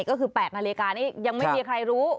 ก็คือ๘นาฬิกานี้ยังไม่มีใครรู้